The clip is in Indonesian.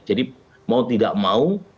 jadi mau tidak mau